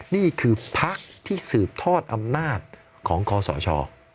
นี่คือพักที่สืบทอดอำนาจของคอสช